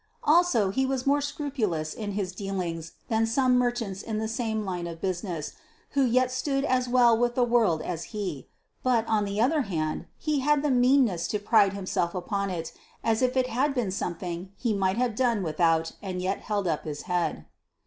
Also, he was more scrupulous in his dealings than some merchants in the same line of business, who yet stood as well with the world as he; but, on the other hand, he had the meanness to pride himself upon it as if it had been something he might have done without and yet held up his head.